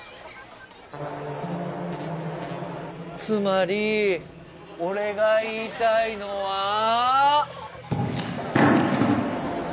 つまり俺が言いたいのは。